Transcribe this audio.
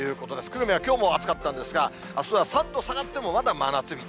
久留米はきょうも暑かったんですが、あすは３度下がっても、まだ真夏日。